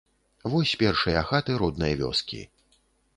Вось першыя хаты роднай вёскі.